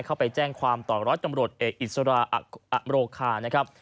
เข้าไปแจ้งความต่อร้อยตำรวจเอกอิสระอโรคานะครับ